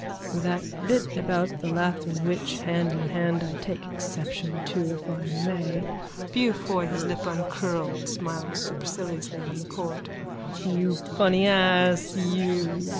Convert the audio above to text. _ That bit about the laughing witch hand in hand I take exception to, if I may... BEAUFOY: (His lip upcurled, smiles superciliously on the court.) You funny ass, you!